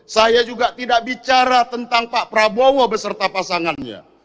saya juga tidak bicara tentang pak prabowo beserta pasangannya